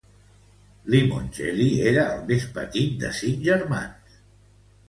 Limoncelli era el més petit de cinc germans.